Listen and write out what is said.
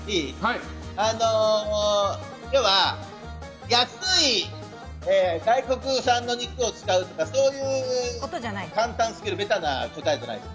要は安い外国産の肉を使うとかそういう簡単スキルベタな答えじゃないです。